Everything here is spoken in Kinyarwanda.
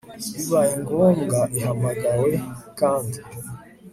bibaye ngombwa ihamagawe kandi